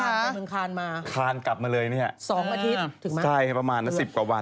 ไปเมืองคานมาคานกลับมาเลยเนี่ยสองอาทิตย์ถึงมาใช่ประมาณนะสิบกว่าวัน